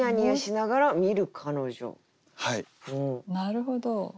なるほど。